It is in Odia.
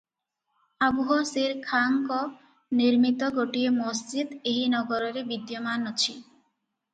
ଆବୁହସେରଖାଁଙ୍କ ନିର୍ମିତ ଗୋଟିଏ ମସଜିଦ୍ ଏହି ନଗରରେ ବିଦ୍ୟମାନ ଅଛି ।